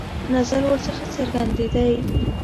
نظر ورڅخه څرګندېدی.